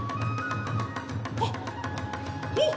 あっおっ！